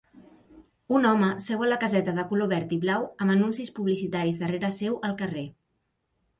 Un home seu a la caseta de color verd i blau amb anuncis publicitaris darrere seu al carrer.